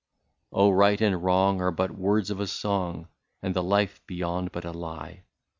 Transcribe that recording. '''' Oh ! right and wrong are but words of a song, And the life beyond but a lie.